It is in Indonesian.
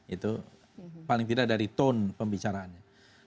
itu paling tidak dari tone pembicaraannya